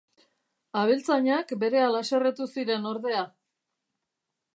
Abeltzainak berehala haserretu ziren, ordea.